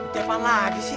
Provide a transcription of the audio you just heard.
cepat lagi sih